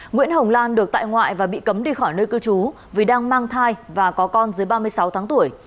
nguyễn hồng lan được tại ngoại và bị cấm đi khỏi nơi cư trú vì đang mang thai và có con dưới ba mươi sáu tháng tuổi